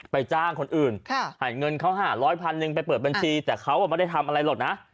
จ้างคนอื่นให้เงินเขา๕๐๐พันหนึ่งไปเปิดบัญชีแต่เขาไม่ได้ทำอะไรหรอกนะ